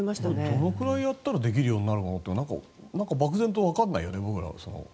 どのくらいやったらできるようになるのか漠然と分からないよね。